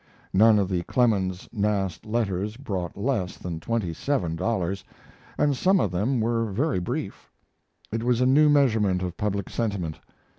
None of the Clemens Nast letters brought less than twenty seven dollars, and some of them were very brief. It was a new measurement of public sentiment.